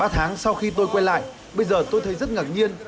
ba tháng sau khi tôi quay lại bây giờ tôi thấy rất ngạc nhiên